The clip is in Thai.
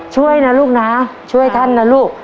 ช่วยนะลูกนะช่วยท่านนะลูก